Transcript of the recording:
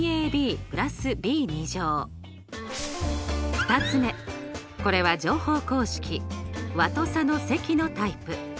２つ目これは乗法公式和と差の積のタイプ。